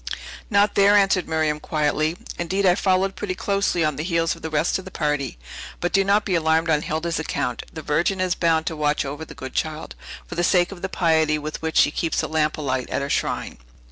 "Not there," answered Miriam quietly; "indeed, I followed pretty closely on the heels of the rest of the party. But do not be alarmed on Hilda's account; the Virgin is bound to watch over the good child, for the sake of the piety with which she keeps the lamp alight at her shrine.